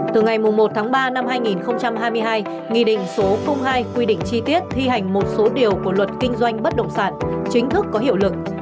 từ ngày một tháng ba năm hai nghìn hai mươi hai nghị định số hai quy định chi tiết thi hành một số điều của luật kinh doanh bất động sản chính thức có hiệu lực